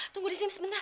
tunggu di sini sebentar